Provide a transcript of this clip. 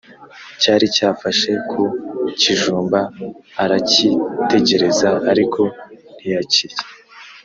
cyari cyafashe ku kijumba arakitegereza ariko ntiyakirya.